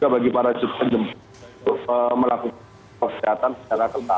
bagi para jemaah haji untuk melakukan protokol kesehatan secara ketat